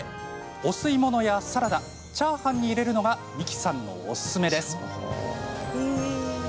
お吸い物やサラダチャーハンに入れるのが三木さんのおすすめです。